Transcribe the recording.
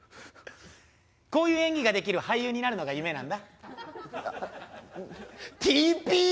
こういう演技ができる俳優になるのが夢なんだ。